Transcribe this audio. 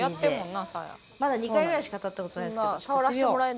まだ２回ぐらいしか立った事ないですけどやってみよう。